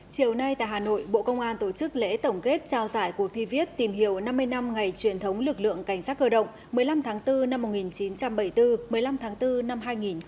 chiều nay tại hà nội bộ công an tổ chức lễ tổng kết trao giải cuộc thi viết tìm hiểu năm mươi năm ngày truyền thống lực lượng cảnh sát cơ động một mươi năm tháng bốn năm một nghìn chín trăm bảy mươi bốn một mươi năm tháng bốn năm hai nghìn hai mươi